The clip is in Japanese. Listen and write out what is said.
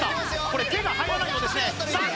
これ手が入らないようですねさあ